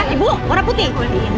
ibu warna putih